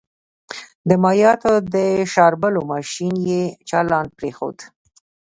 د مايعاتو د شاربلو ماشين يې چالان پرېښود.